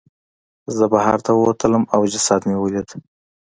زه بهر ته ووتلم او جسد مې ولید.